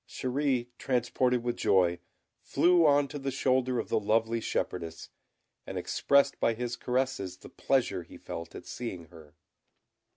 Chéri, transported with joy, flew on to the shoulder of the lovely shepherdess, and expressed by his caresses the pleasure he felt at seeing her.